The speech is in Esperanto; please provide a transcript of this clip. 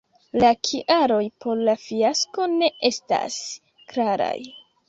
La kialoj por la fiasko ne estas klaraj.